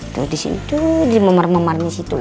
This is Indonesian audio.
tuh di situ di momor momornya situ